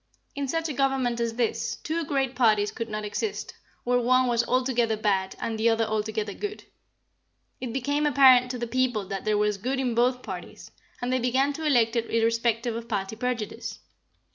In such a government as this, two great parties could not exist, where one was altogether bad and the other altogether good. It became apparent to the people that there was good in both parties, and they began to elect it irrespective of party prejudice.